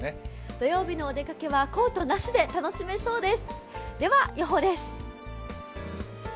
土曜日のお出かけはコートなしで楽しめそうです。